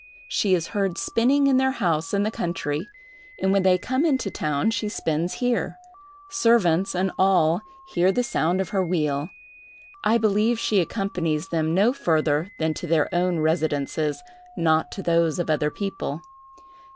She is heard spinning in their house in the country, and when they come into town she spins here; servants and all hear the sound of her wheel. I believe she accompanies them no further than to their own residences, not to those of other people.